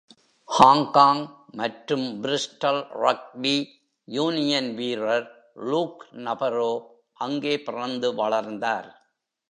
Hong Kong மற்றும் Bristol rugby union வீரர் Luke நபரோ அங்கே பிறந்து வளர்ந்தார்.